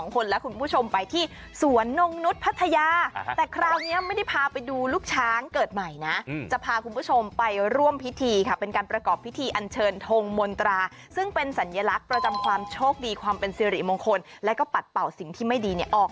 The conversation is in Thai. คนและคุณผู้ชมไปที่สวนนงนุษย์พัทยาแต่คราวนี้ไม่ได้พาไปดูลูกช้างเกิดใหม่นะจะพาคุณผู้ชมไปร่วมพิธีค่ะเป็นการประกอบพิธีอันเชิญทงมนตราซึ่งเป็นสัญลักษณ์ประจำความโชคดีความเป็นสิริมงคลแล้วก็ปัดเป่าสิ่งที่ไม่ดีเนี่ยออก